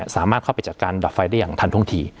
สามารถเข้าไปจัดการดับไฟได้อย่างทันท่วงที